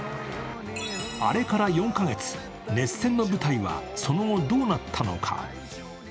あれから４カ月、熱戦の舞台はその後どうなったのか。